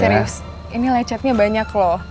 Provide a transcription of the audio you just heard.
serius ini lecetnya banyak loh